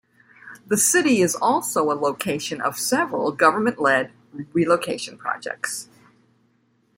The city is also a location of several government-led relocation projects.